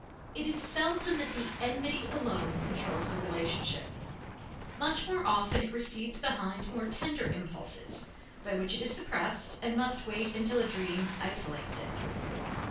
It is seldom that the enmity alone controls the relationship; much more often it recedes behind more tender impulses, by which it is suppressed, and must wait until a dream isolates it.